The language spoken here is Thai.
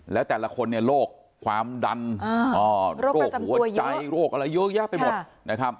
แล้วแต่ละคนโรคความดันโรคหัวใจเยอะแยะไปหมด